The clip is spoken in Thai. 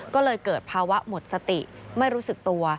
ก็เลยเกิดภาวะหมดสติไม่รู้สึกตัว